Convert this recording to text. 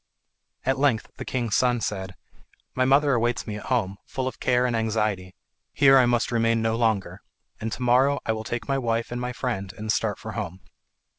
At length the king's son said, "My mother awaits me at home, full of care and anxiety. Here I must remain no longer, and to morrow I will take my wife and my friend and start for home."